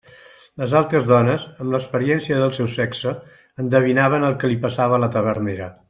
Les altres dones, amb l'experiència del seu sexe, endevinaven el que li passava a la tavernera.